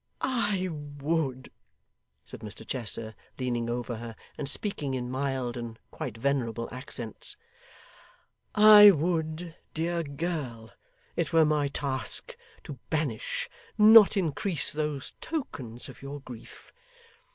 'I would,' said Mr Chester, leaning over her, and speaking in mild and quite venerable accents; 'I would, dear girl, it were my task to banish, not increase, those tokens of your grief.